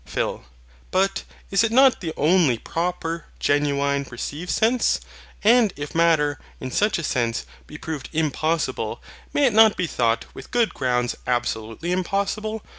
PHIL. But is it not the only proper genuine received sense? And, if Matter, in such a sense, be proved impossible, may it not be thought with good grounds absolutely impossible?